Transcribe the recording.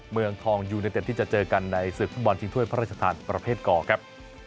เมืองทองยูเนเต็ดที่จะเจอกันในศึกฟุตบอลชิงถ้วยพระราชทานประเภทกอครับ